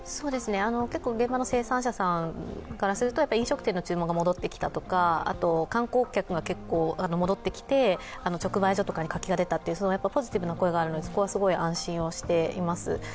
結構現場の生産者さんからすると飲食店の注文が戻ってきたとか観光客が結構戻ってきて直売所とかに活気が出たというポジティブな声があるのはすごく安心しています。